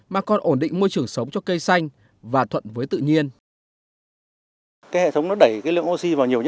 mà còn ổn định môi trường sống cho cây xanh và thuận với tự nhiên